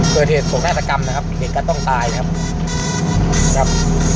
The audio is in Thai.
เกิดเหตุส่งแนตรกรรมนะครับเด็กกันต้องตายนะครับครับ